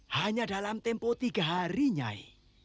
hanya dalam tempo tiga hari nyai